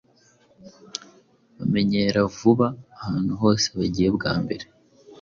bamenyera vuba ahantu hose bagiye bwa mbere